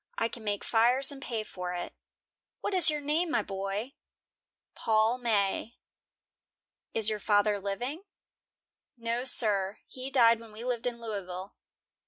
I can make fires and pay for it." "What is your name, my boy?" "Paul May." "Is your father living?" "No, sir; he died when we lived in Louisville."